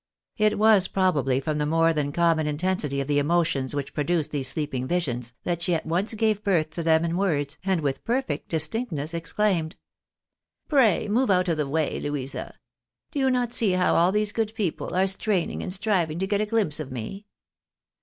It was probably from the more than common intensity of the emotions which produced these sleeping visions, that she at once gave birth to them in words, and with perfect distinctness exclaimed —" Pray, move out of the way, Louisa ! Do you not see how all those good people are straining and striving to get a glimpse of me?